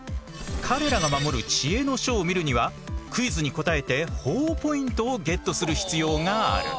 彼らが守る知恵の書を見るにはクイズに答えてほぉポイントをゲットする必要がある。